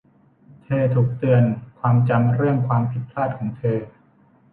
เธอถูกเตือนความจำเรื่องความผิดพลาดของเธอ